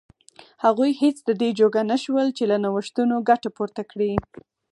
هغوی هېڅ د دې جوګه نه شول چې له نوښتونو ګټه پورته کړي.